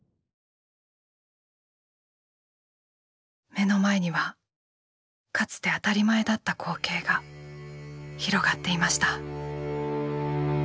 目の前にはかつて当たり前だった光景が広がっていました。